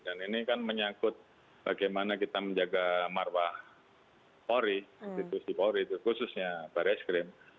dan ini kan menyangkut bagaimana kita menjaga marwah polri institusi polri itu khususnya para reskrim